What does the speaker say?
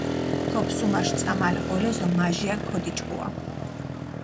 თოფსუმაშ წამალ ღოლეს დო მაჟია ქოდიჭყუა.